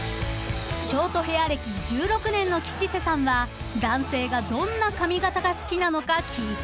［ショートヘア歴１６年の吉瀬さんは男性がどんな髪形が好きなのか聞いてみたいそうです］